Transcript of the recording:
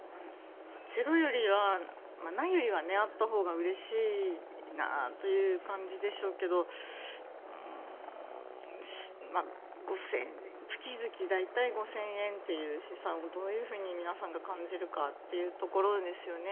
ゼロよりは、ないよりはあったほうがうれしいなという感じでしょうけど月々大体５０００円という試算をどういうふうに皆さんが感じるかというところですよね。